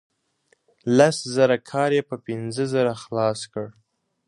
لس زره کار یې په پنځه زره خلاص کړ.